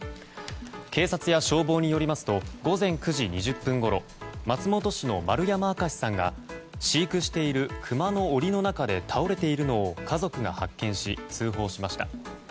警察や消防によりますと午前９時２０分ごろ松本市の丸山明さんが飼育しているクマの檻の中で倒れているのを家族が発見し通報しました。